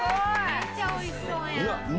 めっちゃ美味しそうやん！